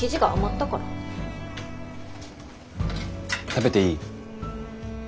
食べていい？